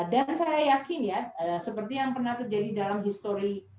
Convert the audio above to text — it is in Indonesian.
dan saya yakin ya seperti yang pernah terjadi dalam history